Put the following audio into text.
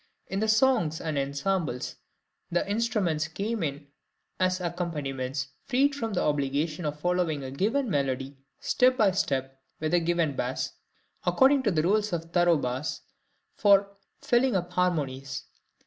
In the songs and ensembles the instruments came in as accompaniments, freed from the obligation of following a given melody step by step with a given bass, according to the rules of thoroughbass for filling up harmonies.